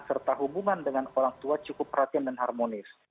serta hubungan dengan orang tua cukup perhatian dan harmonis